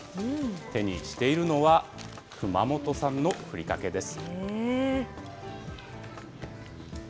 手にしているのは、熊本産のふりかけです。